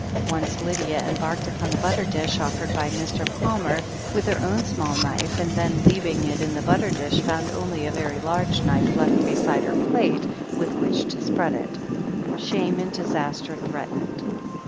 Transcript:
Once Lydia embarked upon the butter dish, oflFered by Mr. Palmer, with her own small knife, and then, leaving it in the butter dish, found only a very large knife left beside her plate with which to spread it. Shame and disaster threatened.